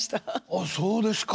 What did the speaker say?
あそうですか。